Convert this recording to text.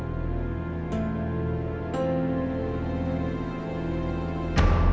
malin jangan lupa